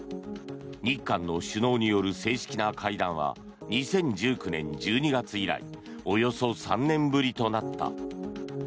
日韓の首脳による正式な会談は２０１９年１２月以来およそ３年ぶりとなった。